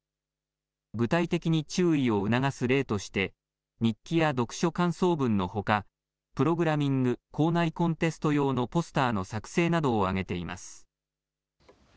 具体的に注意を促す例として日記や読書感想文のほかプログラミング、校内コンテスト用のポスターの作成などを挙げています。